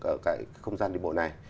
ở cái không gian đi bộ này